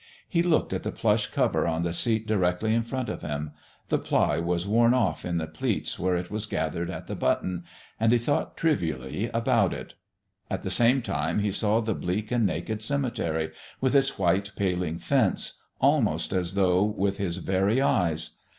He looked at the plush cover on the seat directly in front of him the ply was worn off in the pleats where it was gathered at the button, and he thought trivially about it; at the same time he saw the bleak and naked cemetery, with its white paling fence, almost as though with his very eyes.